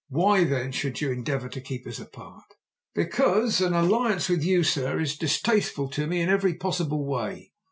Why then should you endeavour to keep us apart?" "Because an alliance with you, sir, is distasteful to me in every possible way.